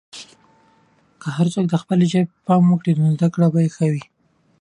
که هر څوک خپلې ژبې ته پام وکړي، نو زده کړه به ښه وي.